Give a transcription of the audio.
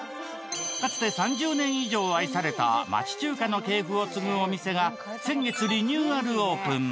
かつて３０年以上愛された町中華の系譜を継ぐお店が先月リニューアルオープン。